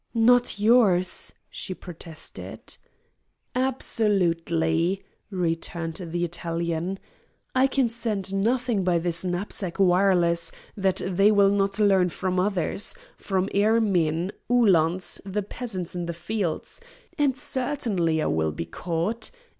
"Not yours!" she protested. "Absolutely!" returned the Italian. "I can send nothing by this knapsack wireless that they will not learn from others; from airmen, Uhlans, the peasants in the fields. And certainly I will be caught.